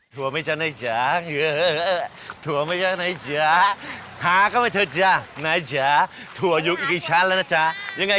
ขอถามบ้านนี้ก็ได้บ้านกองชิวานี่